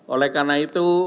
oleh karena itu